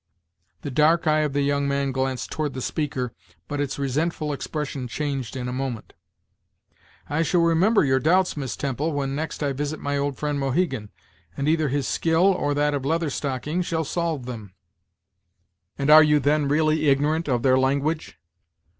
The dark eye of the young man glanced toward the speaker, but its resentful expression changed in a moment. "I shall remember your doubts, Miss Temple, when next I visit my old friend Mohegan, and either his skill, or that of Leather Stocking, shall solve them." "And are you, then, really ignorant of their language?"